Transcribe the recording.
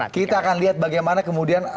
kita akan lihat bagaimana kemudian